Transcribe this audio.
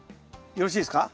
よろしいですか？